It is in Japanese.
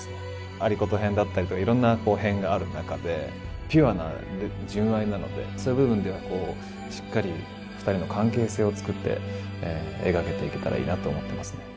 有功編だったりとかいろんな編がある中でピュアな純愛なのでそういう部分ではしっかり２人の関係性をつくって描けていけたらいいなと思ってますね。